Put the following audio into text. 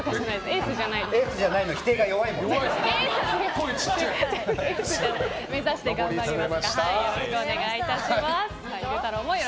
エースじゃないの否定が弱いんだよ。